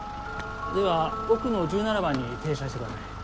では奥の１７番に停車してください。